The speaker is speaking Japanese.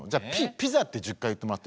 「ピザ」って１０回言ってもらって。